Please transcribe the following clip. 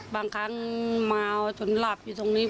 บางครั้งเมาจนหลับอยู่ตรงนี้